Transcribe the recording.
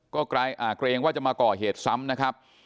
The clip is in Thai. ก็เกรงว่าจะมาก่อเหตุซ้ำนะครับ